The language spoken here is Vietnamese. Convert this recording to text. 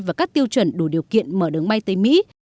và các tiêu chuẩn đủ điều kiện mở đường bay tới mỹ